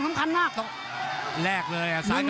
ภูตวรรณสิทธิ์บุญมีน้ำเงิน